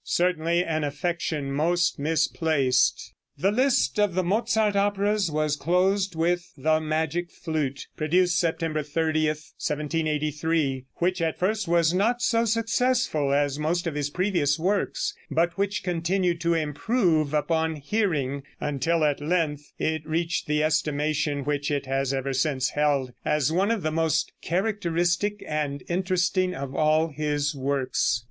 certainly an affection most misplaced. [Illustration: Fig. 56. MOZART. (From the Lange painting.)] The list of the Mozart operas was closed with the "Magic Flute," produced September 30, 1783, which at first was not so successful as most of his previous works, but which continued to improve upon hearing, until at length it reached the estimation which it has ever since held, as one of the most characteristic and interesting of all his works.